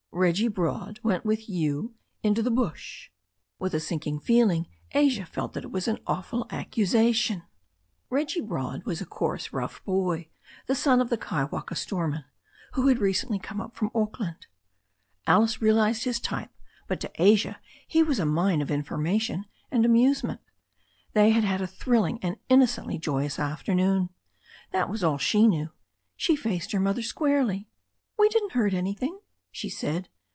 "Reggie Broad went with you into the bush !" With a sinking feeling Asia felt that it was an awful accusation. Reggie Broad was a coarse, rough boy, the son of the Kaiwaka storeman, who had recently come up from THE STORY OF A NEW ZEALAND RIVER 115 Auckland. Alice realized his type, but to Asia he was a mine of information and amusement. They had had a thrilling and innocently joyous afternoon. That was all she knew. She faced her mother squarely. "We didn't hurt anything/' she said.